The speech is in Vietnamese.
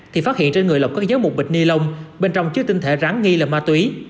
thì phát hiện trên người lộc có dấu một bịch ni lông bên trong chứa tinh thể rắn nghi là ma túy